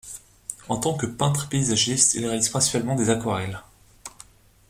En tant que peintre paysagiste, il réalise principalement des aquarelles.